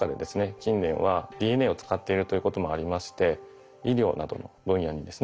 近年はＤＮＡを使っているということもありまして医療などの分野にですね